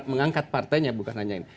mengangkat partainya bukan hanya ini